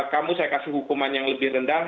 kamu saya kasih hukuman yang lebih rendah